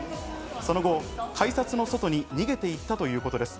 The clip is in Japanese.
その後、改札の外に逃げていったということです。